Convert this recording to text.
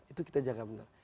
itu kita jaga benar